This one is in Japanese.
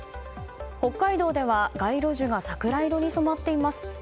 北海道では街路樹が桜色に染まっています。